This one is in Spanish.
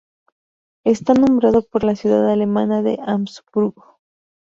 Está nombrado por la ciudad alemana de Hamburgo.